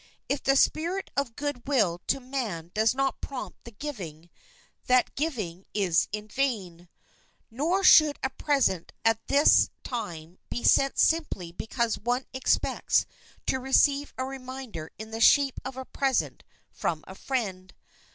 If the spirit of good will to man does not prompt the giving, that giving is in vain. Nor should a present at this time be sent simply because one expects to receive a reminder in the shape of a present from a friend.